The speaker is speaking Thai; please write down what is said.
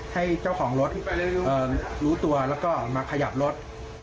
ให้เจ้าของรถรู้ตัวแล้วก็มาขยับรถ